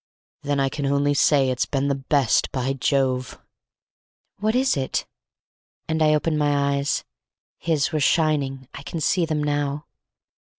Then I can only say it's been the best—by Jove!" "What is it?" And I opened my eyes. His were shining. I can see them now.